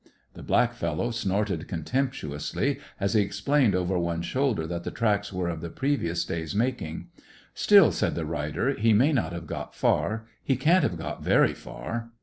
The black fellow snorted contemptuously, as he explained over one shoulder that the tracks were of the previous day's making. "Still," said the rider; "he may not have got far. He can't have got very far."